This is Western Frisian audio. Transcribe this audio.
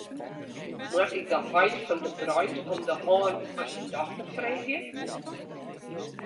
Moat ik de heit fan de breid om de hân fan syn dochter freegje?